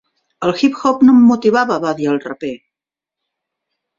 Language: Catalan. "El hip hop no em motivava", va dir el raper.